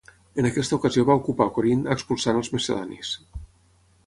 En aquesta ocasió va ocupar Corint expulsant als macedonis.